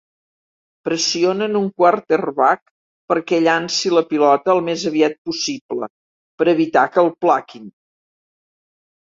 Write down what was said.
Pressionen un "quarterback" perquè llanci la pilota el més aviat possible per evitar que el plaquin